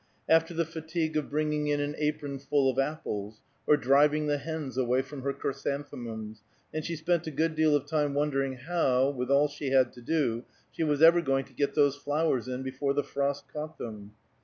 after the fatigue of bringing in an apronful of apples, or driving the hens away from her chrysanthemums, and she spent a good deal of time wondering how, with all she had to do, she was ever going to get those flowers in before the frost caught them.